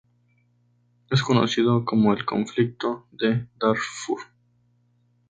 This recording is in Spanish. Es conocido como el Conflicto de Darfur.